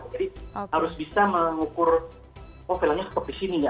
jadi harus bisa mengukur oh filmnya seperti sini ya